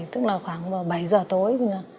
tức là khoảng bảy giờ tối